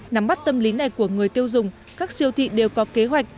nắm bắt tâm lý này của người tiêu dùng các siêu thị đều có kế hoạch